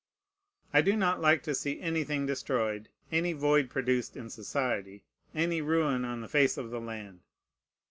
I do not like to see anything destroyed, any void produced in society, any ruin on the face of the land.